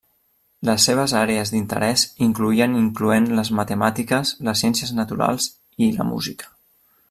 Les seves àrees d'interès incloïen incloent les matemàtiques, les ciències naturals i la música.